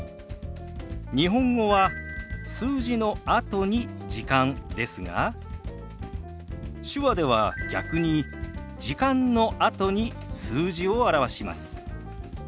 日本語は数字のあとに「時間」ですが手話では逆に「時間」のあとに数字を表します。